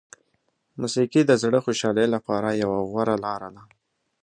موسیقي د زړه خوشحالي لپاره یوه غوره لاره ده.